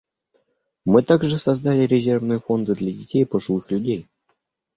Мы также создали резервные фонды для детей и пожилых людей.